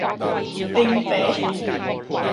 恁爸